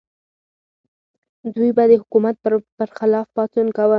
دوی به د حکومت پر خلاف پاڅون کاوه.